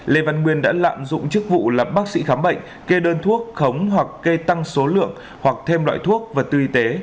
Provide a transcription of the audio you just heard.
lê văn nguyên đã lạm dụng chức vụ là bác sĩ khám bệnh kê đơn thuốc khống hoặc kê tăng số lượng hoặc thêm loại thuốc vật tư y tế